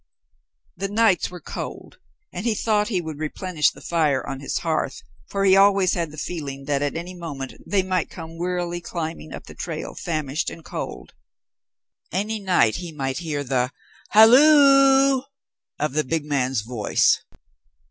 The nights were cold, and he thought he would replenish the fire on his hearth, for he always had the feeling that at any moment they might come wearily climbing up the trail, famished and cold. Any night he might hear the "Halloo" of the big man's voice.